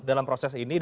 dalam proses ini